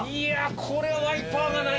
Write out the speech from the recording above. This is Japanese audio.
これはワイパーがないと！